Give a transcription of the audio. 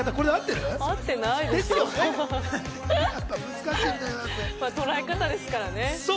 まあ捉え方ですからね。